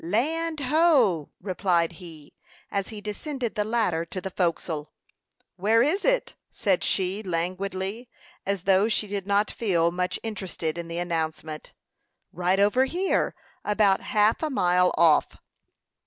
"Land ho!" replied he, as he descended the ladder to the forecastle. "Where is it?" said she, languidly, as though she did not feel much interested in the announcement. "Right over here, about half a mile off."